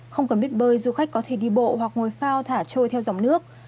không cần biết bơi du khách có thể đi bộ hoặc ngồi phao thả trôi theo dòng nước